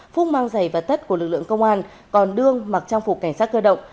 phúc mang giày và tất của lực lượng công an còn đương mặc trang phục cảnh sát cơ động